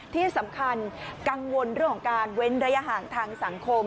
ที่สำคัญกังวลเรื่องของการเว้นระยะห่างทางสังคม